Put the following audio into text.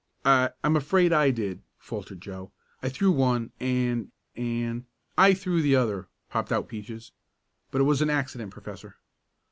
"I I'm afraid I did," faltered Joe. "I threw one, and and " "I threw the other," popped out Peaches. "But it was an accident, Professor."